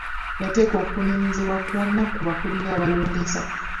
Yateeka okunenyezebwa kwonna ku bakulira abalondesa.